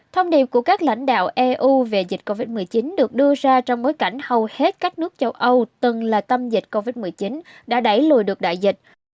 thông điệp của các lãnh đạo eu về dịch covid một mươi chín được đưa ra trong bối cảnh hầu hết các nước châu âu từng là tâm dịch covid một mươi chín đã đẩy lùi được đại dịch